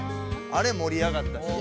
あれもりあがったし。